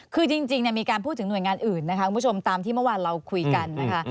คือจริงมีการพูดถึงหน่วยงานอื่นนะคะคุณผู้ชมตามที่เมื่อวานเราคุยกันนะคะ